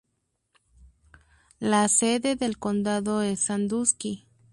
La sede del condado es Sandusky.